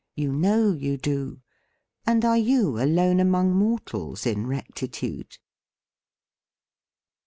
You know you do! And are you alone among mortals in rectitude?